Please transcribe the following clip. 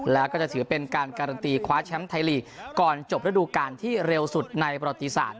แล้วก็จะถือเป็นการการันตีคว้าแชมป์ไทยลีกก่อนจบระดูการที่เร็วสุดในประติศาสต